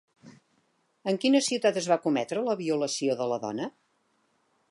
En quina ciutat es va cometre la violació de la dona?